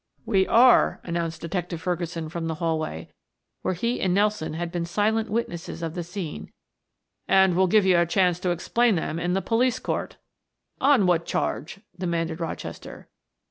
"We are," announced Detective Ferguson from the hallway, where he and Nelson had been silent witnesses of the scene. "And we'll give you a chance to explain them in the police court." "On what charge?" demanded Rochester.